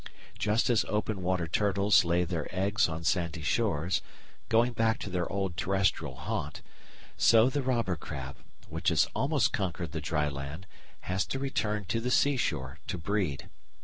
Just as open water turtles lay their eggs on sandy shores, going back to their old terrestrial haunt, so the robber crab, which has almost conquered the dry land, has to return to the seashore to breed.